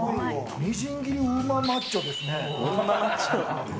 みじん切りうまマッチョですね。